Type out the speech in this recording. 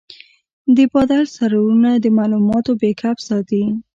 د بادل سرورونه د معلوماتو بیک اپ ساتي.